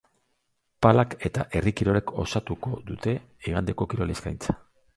Palak eta herri kirolek osatuko dute igandeko kirol eskaintza.